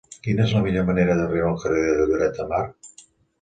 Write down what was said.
Quina és la millor manera d'arribar al carrer de Lloret de Mar?